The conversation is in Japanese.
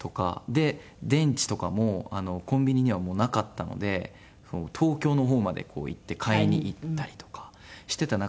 電池とかもコンビニにはもうなかったので東京の方まで行って買いに行ったりとかしてた中で。